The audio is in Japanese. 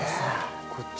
こっち。